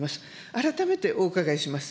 改めてお伺いします。